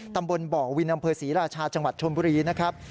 ตำบลบ่อวินอำเภอศรีราชาจังหวัดชนบุรีนะครับ